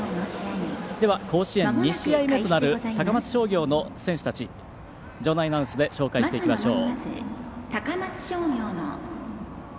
甲子園２試合目となる高松商業の選手たち、場内アナウンスで紹介していきましょう。